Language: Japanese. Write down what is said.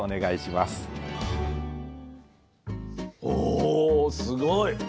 おすごい！